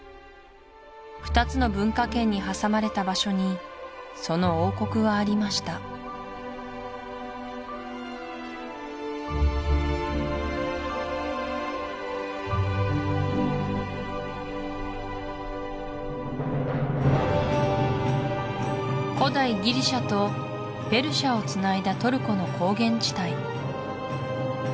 ２つの文化圏に挟まれた場所にその王国はありました古代ギリシアとペルシアをつないだトルコの高原地帯